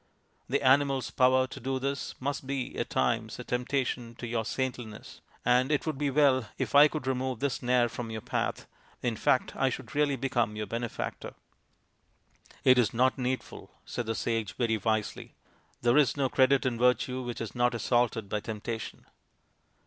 The animal's power to do this must be at times a temptation to your saintliness, and it would be well if I could remove this snare from your path ; in fact I should really become your benefactor/' " It is not needful," said the sage very wisely, " there is no credit in virtue which is not assaulted by temptation."